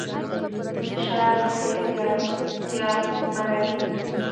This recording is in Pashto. نشه روغتیا زیانمنوي .